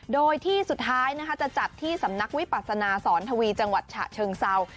โดยที่สุดท้ายจะจัดที่สำนักวิปัสนาสอนทวีจังหวัดฉะเชิงเศร้า